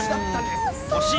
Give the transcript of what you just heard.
惜しい。